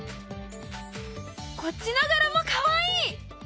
こっちの柄もかわいい！